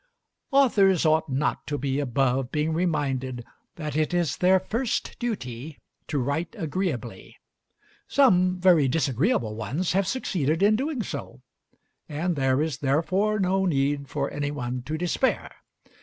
Authors ought not to be above being reminded that it is their first duty to write agreeably; some very disagreeable ones have succeeded in doing so, and there is therefore no need for any one to despair.